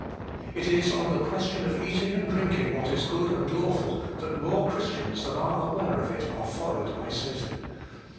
It is on the question of eating and drinking what is good and lawful that more Christians than are aware of it are foiled by Satan.